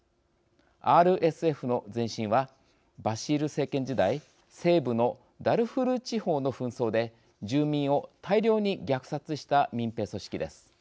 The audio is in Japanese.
ＲＳＦの前身はバシール政権時代西部のダルフール地方の紛争で住民を大量に虐殺した民兵組織です。